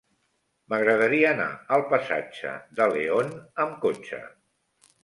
M'agradaria anar al passatge de León amb cotxe.